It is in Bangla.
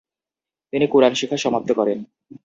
তিনি কুরআন শিক্ষা সমাপ্ত করেন।